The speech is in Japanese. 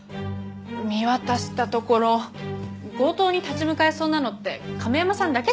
見渡したところ強盗に立ち向かえそうなのって亀山さんだけじゃない。